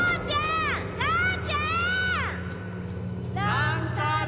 乱太郎！